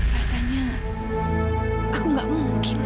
mas omar belum bilang dulu